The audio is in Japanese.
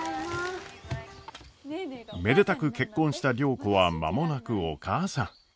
めでたく結婚した良子は間もなくお母さん。